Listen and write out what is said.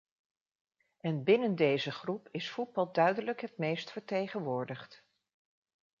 En binnen deze groep is voetbal duidelijk het meest vertegenwoordigd.